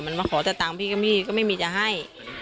มันมาขอแต่ตังพี่กับพี่ก็ไม่มีจะให้